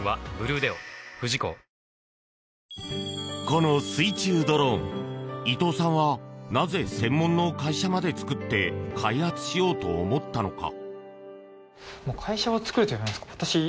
この水中ドローン伊藤さんは、なぜ専門の会社まで作って開発しようと思ったのか。